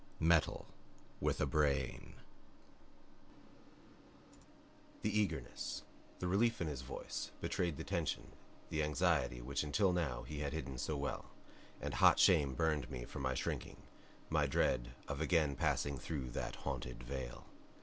METAL WITH A BRAIN The eagerness, the relief in his voice betrayed the tension, the anxiety which until now he had hidden so well; and hot shame burned me for my shrinking, my dread of again passing through that haunted vale.